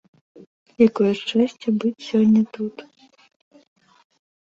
Якое шчасце быць сёння тут.